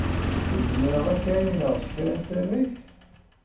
Zemreɣ ad k-ɛiwneɣ s kra n tarrayt?